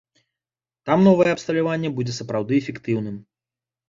Там новае абсталяванне будзе сапраўды эфектыўным.